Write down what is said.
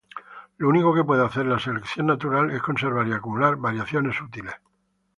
Lo único que puede hacer la selección natural es conservar y acumular variaciones útiles.